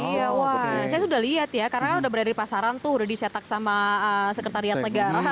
iya wah saya sudah lihat ya karena kan udah berada di pasaran tuh udah dicetak sama sekretariat negara